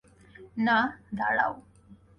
না, দাঁড়াও!